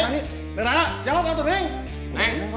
neng raya jangan berantem neng